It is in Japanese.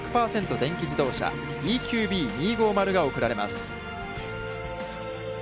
電気自動車、ＥＱＢ２５０が贈られます。